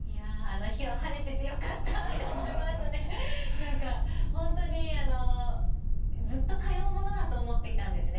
何か本当にずっと通うものだと思っていたんですね。